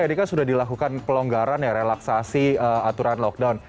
ini kan sudah dilakukan pelonggaran ya relaksasi aturan lockdown